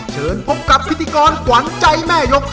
เชิญพบกับพิธีกรขวัญใจแม่ยก